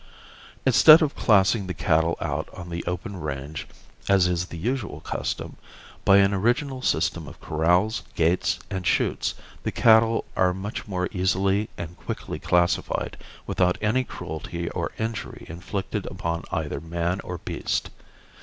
Instead of classing the cattle out on the open range as is the usual custom, by an original system of corrals, gates and chutes the cattle are much more easily and quickly classified without any cruelty or injury inflicted upon either man or beast.